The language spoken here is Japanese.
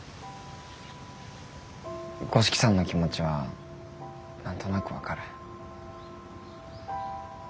五色さんの気持ちは何となく分かる。